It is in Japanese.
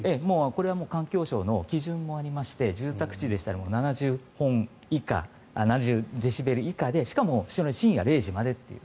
これは環境省の基準もありまして住宅地だったら７０デシベル以下でしかも深夜０時までという。